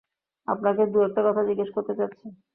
আপনাকে দু-একটা কথা জিজ্ঞেস করতে চাচ্ছি।